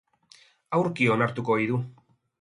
Aurki onartuko ei du.